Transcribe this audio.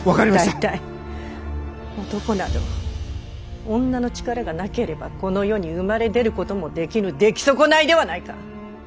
大体男など女の力がなければこの世に生まれ出ることもできぬ出来損ないではないか！